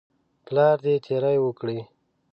پلار دې تیری وکړي.